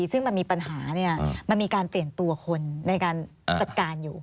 ซึ่งมันมีปัญหามันมีการเปลี่ยนตัวคนในการจัดการอยู่